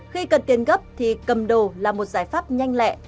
khi cần tiền gấp thì cầm đồ là một giải pháp nhanh lẻ